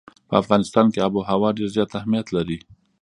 په افغانستان کې آب وهوا ډېر زیات اهمیت لري.